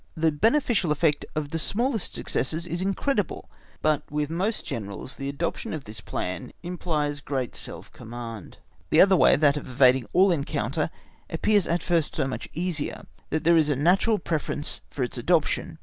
The beneficial effect of the smallest successes is incredible; but with most Generals the adoption of this plan implies great self command. The other way, that of evading all encounter, appears at first so much easier, that there is a natural preference for its adoption.